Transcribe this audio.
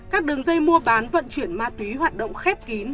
các đường dây mua bán vận chuyển ma túy hoạt động khép kín